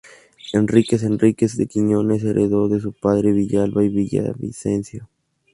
Enrique Enríquez de Quiñones heredó de su padre Villada y Villavicencio.